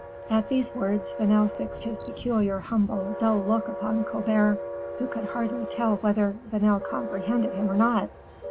At these words, Vanel fixed his peculiar, humble, dull look upon Colbert, who could hardly tell whether Vanel comprehended him or not.